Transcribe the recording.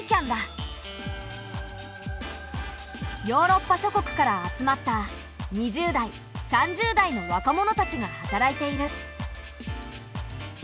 ヨーロッパ諸国から集まった２０代３０代の若者たちが働いている。